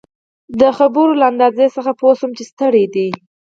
د خبرو له انداز څخه يې پوه شوم چي ستړی دی.